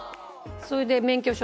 それで免許証と。